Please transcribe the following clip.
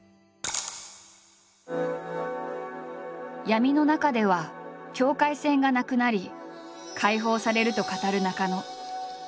闇の中では境界線がなくなり解放されると語る中野。